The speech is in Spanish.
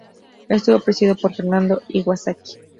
Estuvo presidido por Fernando Iwasaki.